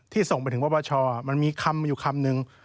ที่ส่งไปถึงพระบาทชมันมีคำอยู่คำนึง